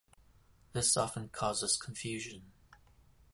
This often causes confusion.